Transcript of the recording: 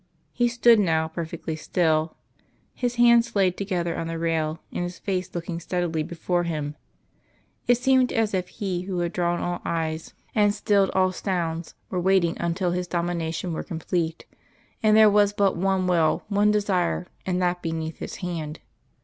He stood now, perfectly still, His hands laid together on the rail, and His face looking steadily before Him; it seemed as if He who had drawn all eyes and stilled all sounds were waiting until His domination were complete, and there was but one will, one desire, and that beneath His hand.